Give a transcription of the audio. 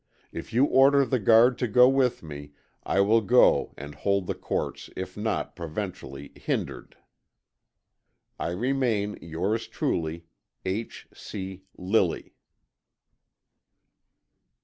If you order the guard to go with me I will go and hold the courts if not Providentially hindered. I remain, Yours truly, H. C. LILLY.